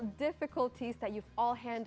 anda semua hadapi seperti pemenang